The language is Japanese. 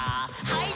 はい。